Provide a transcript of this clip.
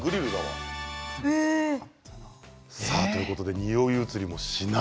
におい移りしない。